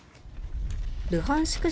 ルハンシク